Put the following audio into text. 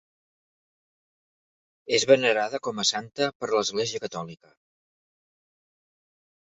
És venerada com a santa per l'Església catòlica.